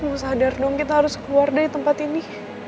mau sadar dong kita harus keluar dari tempat ini